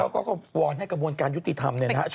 ก็ก็รวดให้กระบวนการยุติธรรม